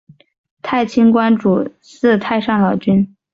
太清观主祀太上老君。